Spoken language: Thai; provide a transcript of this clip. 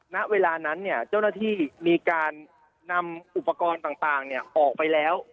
ณเวลานั้นเจ้าหน้าที่มีการนำอุปกรณ์ต่างออกไปแล้ว